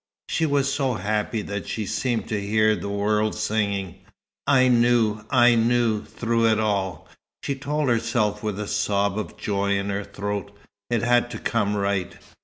She was so happy that she seemed to hear the world singing. "I knew I knew, through it all!" she told herself, with a sob of joy in her throat. "It had to come right."